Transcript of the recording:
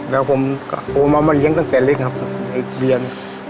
แล้วผมก็มาเลี้ยงตั้งแต่เล็กครับเลี้ยง